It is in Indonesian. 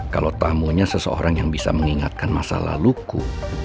kalau tamunya seseorang yang bisa mengingatkan masa laluku